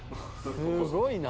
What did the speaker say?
「すごいな」